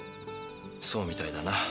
そうみたいだな。